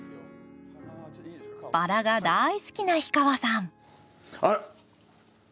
バラが大好きな氷川さんあっ！